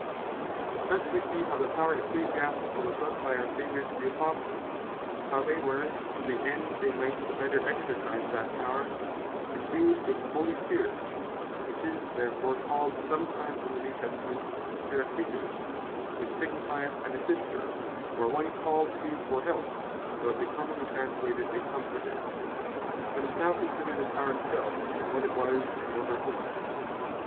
Thus wee see how the Power Ecclesiasticall was left by our Saviour to the Apostles; and how they were (to the end they might the better exercise that Power,) endued with the Holy Spirit, which is therefore called sometime in the New Testament Paracletus which signifieth an Assister, or one called to for helpe, though it bee commonly translated a Comforter. Let us now consider the Power it selfe, what it was, and over whom.